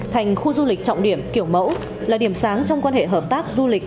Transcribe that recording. thành khu du lịch trọng điểm kiểu mẫu là điểm sáng trong quan hệ hợp tác du lịch